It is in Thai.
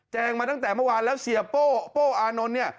มาตั้งแต่เมื่อวานแล้วเสียโป้โป้อานนท์เนี่ย